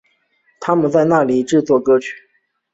他们在那里制作歌曲。